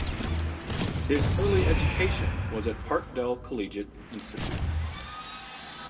His early education was at Parkdale Collegiate Institute.